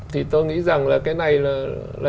thì tôi nghĩ rằng là cái này là